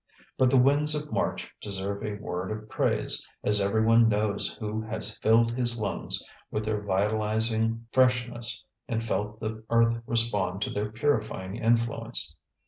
But the winds of March deserve a word of praise, as everyone knows who has filled his lungs with their vitalizing freshness and felt the earth respond to their purifying influence.